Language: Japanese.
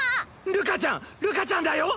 るかちゃんるかちゃんだよ！